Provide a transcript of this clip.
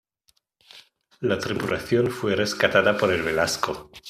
La tripulación fue rescatada por el "Velasco".